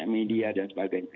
media dan sebagainya